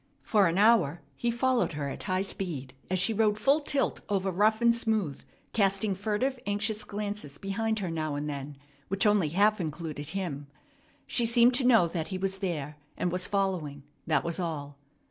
For an hour he followed her at high speed as she rode full tilt over rough and smooth, casting furtive, anxious glances behind her now and then, which only half included him. She seemed to know that he was there and was following; that was all.